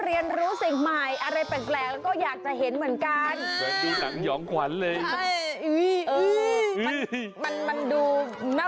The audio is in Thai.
เรียนรู้สิ่งใหม่อะไรแปลกแล้วก็อยากจะเห็นเหมือนกัน